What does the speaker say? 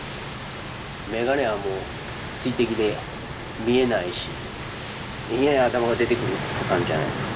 眼鏡はもう水滴で見えないしいきなり頭が出てくるって感じじゃないですか。